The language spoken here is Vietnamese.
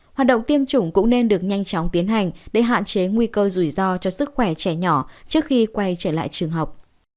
hoạt động tiêm chủng cũng nên được nhanh chóng tiến hành để hạn chế nguy cơ rủi ro cho sức khỏe trẻ nhỏ trước khi quay trở lại trường học